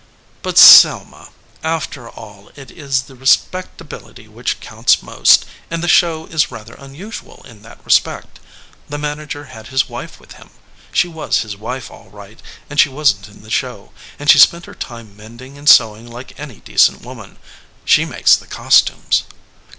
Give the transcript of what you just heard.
"But, Selma, after all it is the respectability which counts most, and the show is rather unusual in that respect. The manager had his wife with him. She was his wife, all right, and she wasn t in the show ; and she spent her time mending and sewing like any decent woman. She makes the costumes."